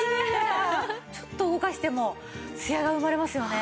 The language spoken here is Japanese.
ちょっと動かしてもツヤが生まれますよね。